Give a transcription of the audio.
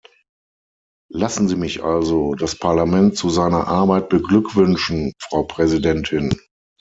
Lassen Sie mich also das Parlament zu seiner Arbeit beglückwünschen, Frau Präsidentin.